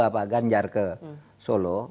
dua puluh dua pak ganjar ke solo